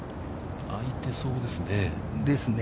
あいてそうですね。